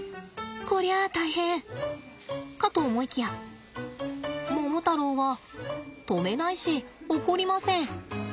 こりゃ大変かと思いきやモモタロウは止めないし怒りません。